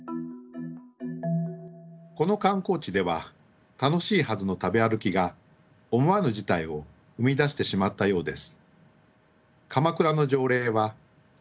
この観光地では楽しいはずの食べ歩きが思わぬ事態を生み出してしまったようです。